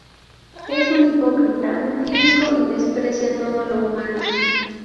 Es un hipócrita, un cínico y desprecia todo lo humano.